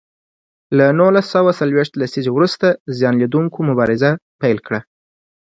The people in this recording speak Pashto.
له نولس سوه څلویښت لسیزې وروسته زیان ولیدوونکو مبارزه پیل کړه.